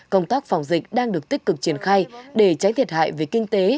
công tác phòng dịch đang được tích cực triển khai để tránh thiệt hại về kinh tế